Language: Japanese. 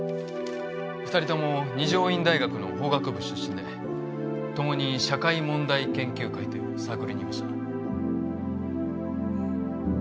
２人とも二条院大学の法学部出身でともに社会問題研究会というサークルにいました。